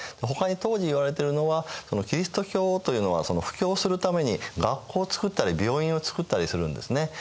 ほかに当時言われているのはキリスト教というのは布教するために学校を作ったり病院を作ったりするんですね。